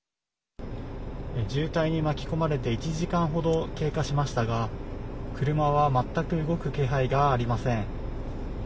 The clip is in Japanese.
渋滞に巻き込まれて１時間ほど経過しましたが、車は全く動く気配がありません。